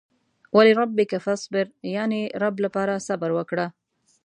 ولربک فاصبر يانې رب لپاره صبر وکړه.